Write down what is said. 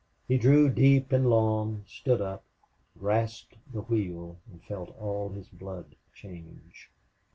He drew deep and long, stood up, grasped the wheel, and felt all his blood change.